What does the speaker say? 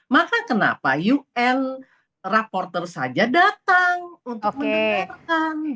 maka kenapa un reporter saja datang untuk mendengarkan